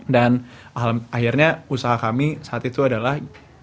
dan akhirnya usaha kami saat itu adalah